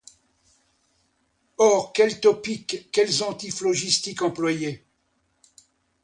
Or, quels topiques, quels antiphlogistiques employer ?